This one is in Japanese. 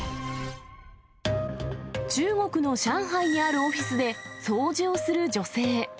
中国の上海にあるオフィスで掃除をする女性。